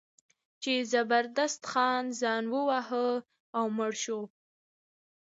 چې زبردست خان ځان وواهه او مړ شو.